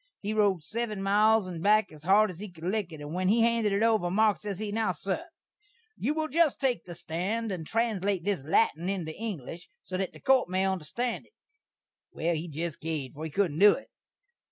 He rode seven miles and back as hard as he could lick it, and when he handed it over, Marks, ses he, "Now, sur, you will just take the stand and translate this lattin' into English, so that the court may onderstand it." Well, he jest caved, for he couldn't do it.